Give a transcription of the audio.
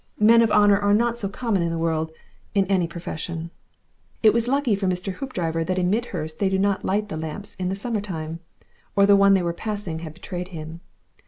Men of honour are not so common in the world in any profession." It was lucky for Mr. Hoopdriver that in Midhurst they do not light the lamps in the summer time, or the one they were passing had betrayed him.